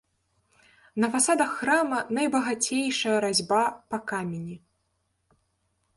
На фасадах храма найбагацейшая разьба па камені.